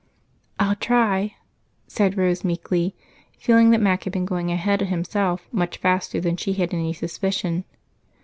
"I'll try," said Rose meekly, feeling that Mac had been going ahead himself much faster than she had any suspicion.